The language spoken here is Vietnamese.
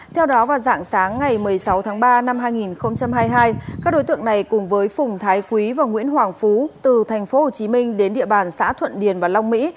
theo đó vào dạng sáng ngày một mươi sáu tháng ba năm hai nghìn hai mươi hai các đối tượng này cùng với phùng thái quý và nguyễn hoàng phú từ tp hcm đến địa bàn xã thuận điền và long mỹ